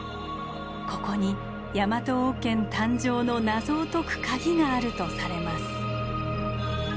ここにヤマト王権誕生の謎を解くカギがあるとされます。